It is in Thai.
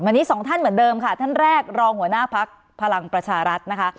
วันนี้สองท่านเหมือนเดิมค่ะท่านแรกรองหัวหน้าพักพลังประชารัฐนะคะ